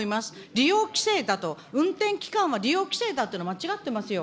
利用規制だと、運転期間は利用規制だっていうのは間違ってますよ。